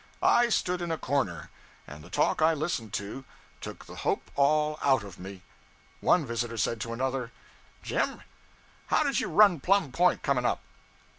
I stood in a corner; and the talk I listened to took the hope all out of me. One visitor said to another 'Jim, how did you run Plum Point, coming up?'